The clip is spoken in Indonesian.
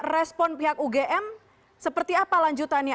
respon pihak ugm seperti apa lanjutannya